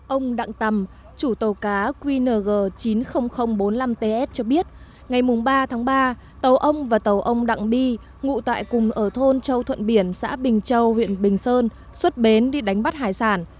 ông đặng tằm chủ tàu cá qng chín mươi nghìn bốn mươi năm ts cho biết ngày ba tháng ba tàu ông và tàu ông đặng bi ngụ tại cùng ở thôn châu thuận biển xã bình châu huyện bình sơn xuất bến đi đánh bắt hải sản